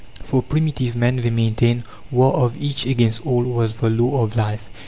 For primitive Man they maintain war of each against all was the law of life.